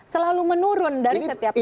selalu menurun dari setiap